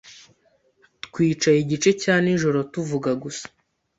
Twicaye igice cya nijoro tuvuga gusa.